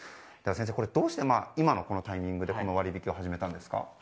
先生、どうして今のタイミングでこの割引を始めたんですか？